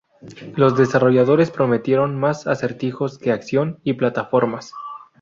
Los desarrolladores prometieron más acertijos que acción y plataformas.